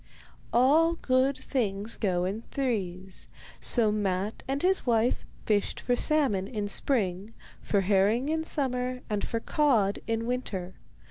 All good things go in threes, so Matte and his wife fished for salmon in spring, for herring in summer, and for cod in winter.